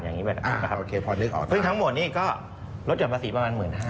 อย่างนี้แบบนั้นครับคือทั้งหมดนี้ก็รถยอดประสิทธิ์ประมาณ๑๕๐๐๐บาท